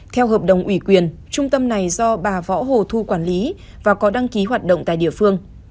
theo hợp đồng ủy quyền trung tâm này do bà võ hồ thu quản lý và có đăng ký hoạt động tại địa phương